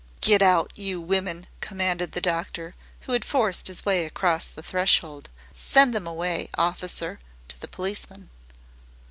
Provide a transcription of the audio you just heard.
"Get out, you women," commanded the doctor, who had forced his way across the threshold. "Send them away, officer," to the policeman.